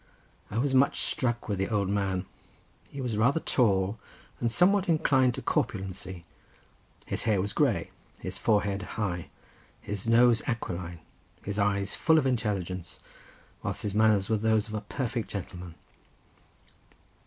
I was much struck with the old man. He was rather tall, and somewhat inclined to corpulency. His hair was grey; his forehead high; his nose aquiline; his eyes full of intelligence; whilst his manners were those of a perfect gentleman.